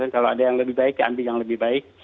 kalau ada yang lebih baik ambil yang lebih baik